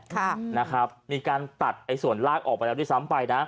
ค่ะนะครับมีการตัดไอ้ส่วนลากออกไปแล้วด้วยซ้ำไปนะ